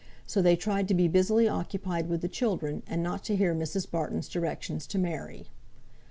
So they tried to be busily occupied with the children, and not to hear Mrs. Barton's directions to Mary.